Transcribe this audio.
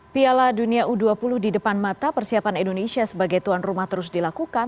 piala dunia u dua puluh di depan mata persiapan indonesia sebagai tuan rumah terus dilakukan